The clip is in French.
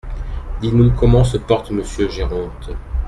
Dis-nous comment se porte Monsieur Géronte.